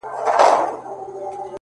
o ما درته وژړل. ستا نه د دې لپاره.